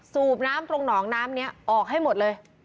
สูบน้ำตรงหนองน้ำนี้ออกให้หมดเลย